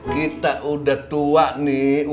kita udah tua nih